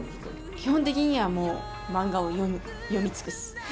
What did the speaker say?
基本的にはもう、マンガを読む、読み尽くす。